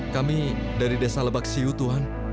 kami dari desa lebak siu tuhan